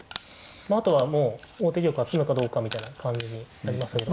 あとはもう後手玉は詰むかどうかみたいな感じになりましたけど。